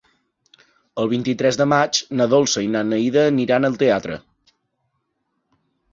El vint-i-tres de maig na Dolça i na Neida aniran al teatre.